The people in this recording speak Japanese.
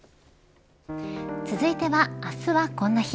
続いては、あすはこんな日。